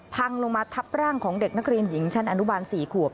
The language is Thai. พังลงมาทับร่างของเด็กนักเรียนหญิงชั้นอนุบาล๔ขวบ